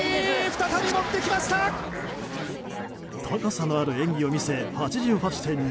高さのある演技を見せ８８．２５。